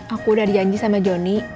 aku udah dijanji sama johnny